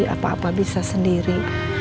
apa apa bisa sendiri